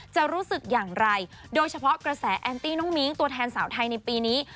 จะรู้สึกอย่างไรโดยเฉพาะกระแสแอนตี้น้องมิ้งตัวแทนสาวไทยในปีนี้